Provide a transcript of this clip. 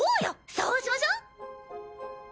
そうしましょう！